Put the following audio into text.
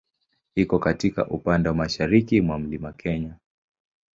Iko katika upande wa mashariki mwa Mlima Kenya.